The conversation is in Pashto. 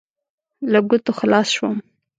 له ګوتو خلاص شوم.